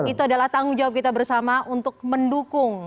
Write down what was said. itu adalah tanggung jawab kita bersama untuk mendukung